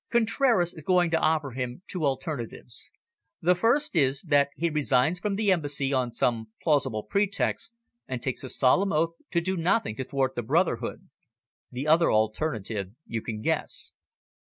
Contraras is going to offer him two alternatives. The first is that he resigns from the Embassy on some plausible pretext, and takes a solemn oath to do nothing to thwart the brotherhood. The other alternative you can guess."